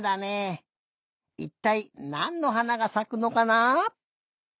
いったいなんのはながさくのかな？